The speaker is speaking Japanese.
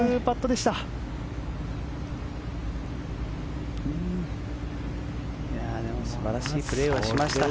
でも素晴らしいプレーをしました。